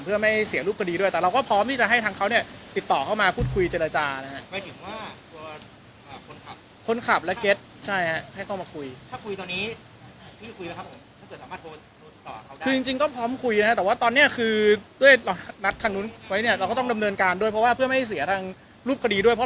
เพื่อไม่เสียลูกกระดูกด้วยแต่เราก็พร้อมที่จะให้ทางเขาเนี้ย